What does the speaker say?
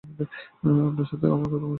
আপনার সাথে তো আমার কোনও শত্রুতা নেই।